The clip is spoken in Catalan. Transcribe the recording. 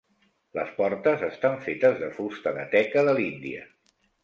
Les portes estan fetes de fusta de teca de l'Índia.